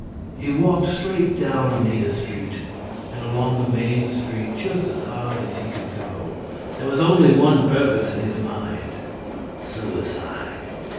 He walked straight down Oneida Street and along the Main Street just as hard as he could go. There was only one purpose in his mind, suicide.